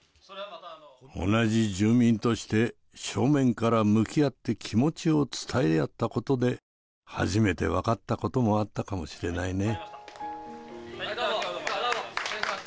同じ住民として正面から向き合って気持ちを伝え合ったことで初めて分かったこともあったかもしれないね。